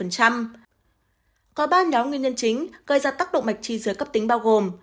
có ba nhóm nguyên nhân chính gây ra tác động mạch chi dưới cấp tính bao gồm